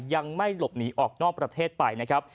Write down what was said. ยังไม่หลบหนีออกนอกประเทศไปนะครับ